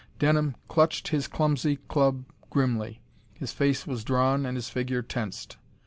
Denham clutched his clumsy club grimly. His face was drawn and his figure tensed.